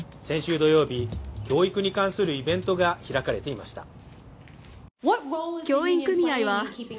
先週土曜日、教育に関するイベントが開かれていました。